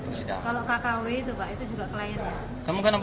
kalau kkw itu juga kliennya